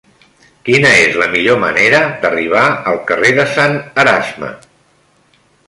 Quina és la millor manera d'arribar al carrer de Sant Erasme?